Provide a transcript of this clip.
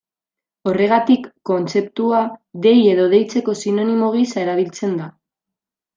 Horregatik, kontzeptua dei edo deitzeko sinonimo gisa erabiltzen da.